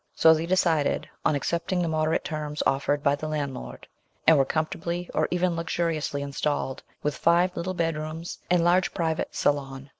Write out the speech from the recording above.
So they decided on accepting the moderate terms offered by the landlord, and were comfortably or even luxuriously installed, with five little bedrooms and large private salon.